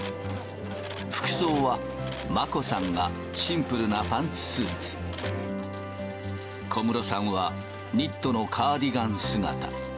服装は、眞子さんがシンプルなパンツスーツ、小室さんはニットのカーディガン姿。